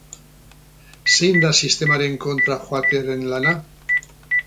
Zein da sistemaren kontra joatearen lana?